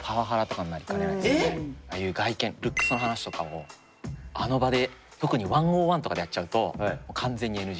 ああいう外見ルックスの話とかをあの場で特に１ｏｎ１とかでやっちゃうと完全にＮＧ。